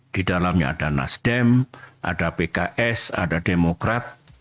di dalamnya ada nasdem ada pks ada demokrat